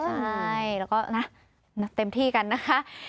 ใช่แล้วก็นะเต็มที่กันนะคะ